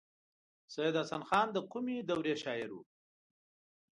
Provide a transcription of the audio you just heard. سید حسن خان د کومې دورې شاعر و.